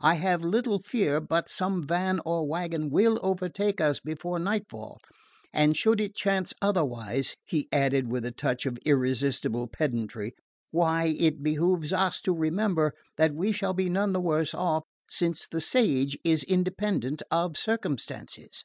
I have little fear but some van or waggon will overtake us before nightfall; and should it chance otherwise," he added with a touch of irresistible pedantry, "why, it behoves us to remember that we shall be none the worse off, since the sage is independent of circumstances."